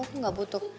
aku gak butuh